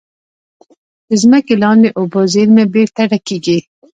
د ځمکې لاندې اوبو زیرمې بېرته ډکېږي.